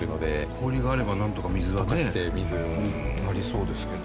氷があればなんとか水はねなりそうですけど。